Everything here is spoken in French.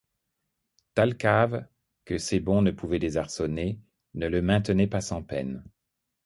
Thalcave, que ses bonds ne pouvaient désarçonner, ne le maintenait pas sans peine.